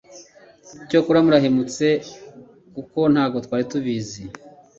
ICYAKORA MURAHEMUTSE kuko ntabwo twari tubizi